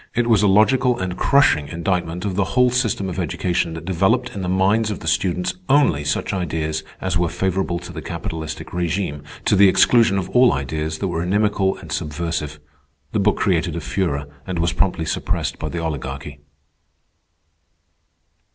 It was a logical and crushing indictment of the whole system of education that developed in the minds of the students only such ideas as were favorable to the capitalistic regime, to the exclusion of all ideas that were inimical and subversive. The book created a furor, and was promptly suppressed by the Oligarchy.